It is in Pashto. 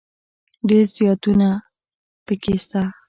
ډېر زياتونه پکښي سته.